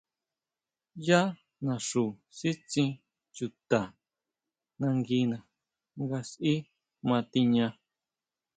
Yá naxu sítsin chuta nanguina nga sʼí ma tiña.